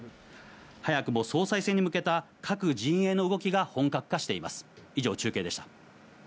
早くも総裁選に向けた各陣営の動きが本格化しています。